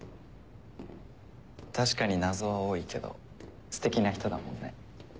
確かに謎は多いけどステキな人だもんね。